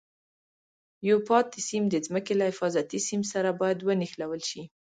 یو پاتې سیم د ځمکې له حفاظتي سیم سره باید ونښلول شي.